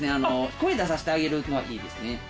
声出させてあげるのはいいですね。